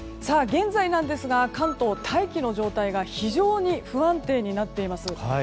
現在なんですが関東、大気の状態が非常に不安定になっています。